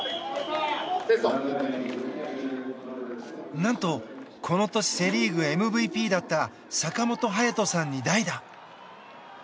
何とこの年セ・リーグＭＶＰだった坂本勇人さんに代打。